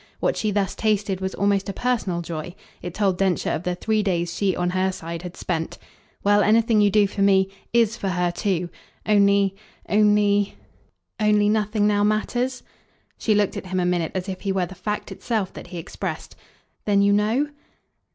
What she thus tasted was almost a personal joy. It told Densher of the three days she on her side had spent. "Well, anything you do for me IS for her too. Only, only !" "Only nothing now matters?" She looked at him a minute as if he were the fact itself that he expressed. "Then you know?"